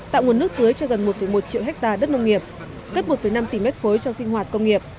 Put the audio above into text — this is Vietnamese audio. tạo nguồn nước tưới cho gần một một triệu hectare đất nông nghiệp cấp một năm tỷ m ba cho sinh hoạt công nghiệp